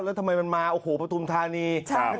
แล้วทำไมมันมาโอ้โหปฐุมธานี